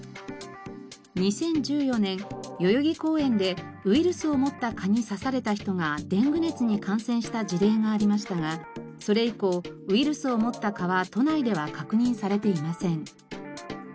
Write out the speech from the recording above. ２０１４年代々木公園でウイルスを持った蚊に刺された人がデング熱に感染した事例がありましたがそれ以降ウイルスを持った蚊は都内では確認されていません。